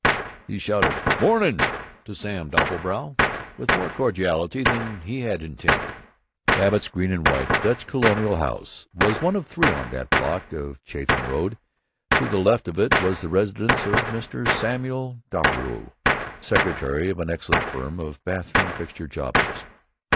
He shouted "Morning!" to Sam Doppelbrau with more cordiality than he had intended. Babbitt's green and white Dutch Colonial house was one of three in that block on Chatham Road. To the left of it was the residence of Mr. Samuel Doppelbrau, secretary of an excellent firm of bathroom fixture jobbers.